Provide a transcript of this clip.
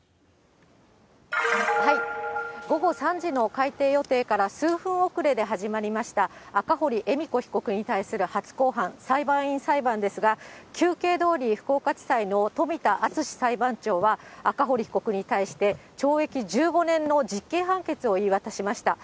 午後３時の開廷予定から数分遅れで始まりました、赤堀恵美子被告に対する初公判、裁判員裁判ですが、求刑どおり、福岡地裁の冨田敦史裁判長は、赤堀被告に対して、懲役１５年の実刑判決を言い渡しました。